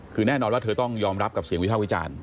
คือแน่นอนว่าเธอต้องยอมรับกับเสียงวิภาควิจารณ์